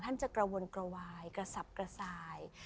ท่านจะกระวนกระวายกระสับกระสาย